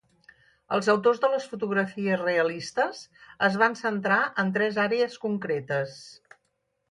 Els autors de les fotografies realistes es van centrar en tres àrees concretes.